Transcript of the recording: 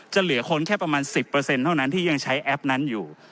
เหลือคนแค่ประมาณ๑๐เท่านั้นที่ยังใช้แอปนั้นอยู่